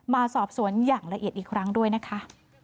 มาสอบสวนอย่างละเอียดอีกครั้งด้วยนะคะ